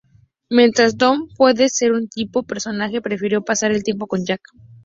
Mientras Dom puede ser un gran tipo, personalmente prefiero pasar el tiempo con Jack".